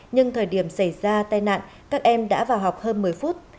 nhưng thời điểm xảy ra tai nạn các em đã vào học hơn một mươi phút